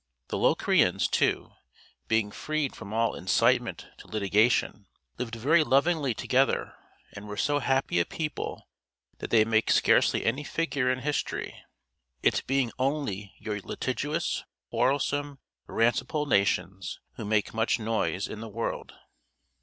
The Locrians, too, being freed from all incitement to litigation, lived very lovingly together, and were so happy a people that they make scarce any figure in history; it being only your litigatous, quarrelsome, rantipole nations who make much noise in the world.